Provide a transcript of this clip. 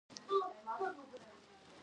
تل د سخت کار کولو لپاره هيله مند ووسئ.